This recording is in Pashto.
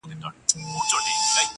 چي ډېرى سي، مردارى سي.